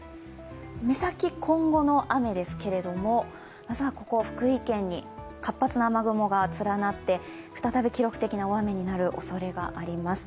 目先今後の雨ですけれどもまずはここ福井県に活発な雨雲が連なって再び記録的な大雨になるおそれがあります。